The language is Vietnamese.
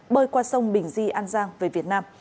bơi qua sông bình di an giang về việt nam